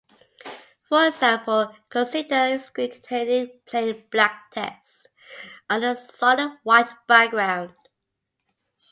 For example, consider a screen containing plain black text on a solid white background.